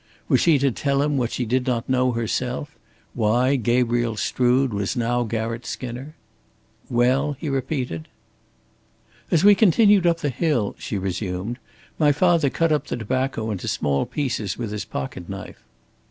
Was she to tell him what she did not know herself why Gabriel Strood was now Garratt Skinner? "Well?" he repeated. "As we continued up the hill," she resumed, "my father cut up the tobacco into small pieces with his pocket knife.